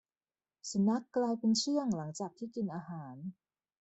สุนัขกลายเป็นเชื่องหลังจากที่กินอาหาร